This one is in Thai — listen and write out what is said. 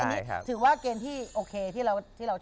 อันนี้ถือว่าเกณฑ์ที่โอเคที่เราจะ